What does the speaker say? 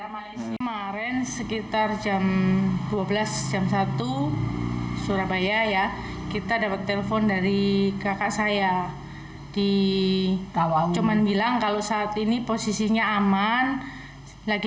kemarin sekitar jam dua belas jam satu surabaya ya kita dapat telepon dari kakak sandra